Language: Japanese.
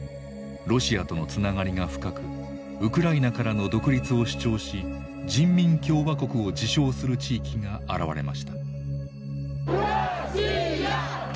ロシアとのつながりが深くウクライナからの独立を主張し人民共和国を自称する地域が現れました。